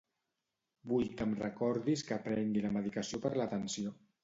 Vull que em recordis que prengui la medicació per la tensió.